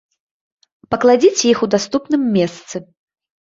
Пакладзіце іх у даступным месцы.